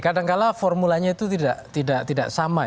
kadang kadang formulanya itu tidak sama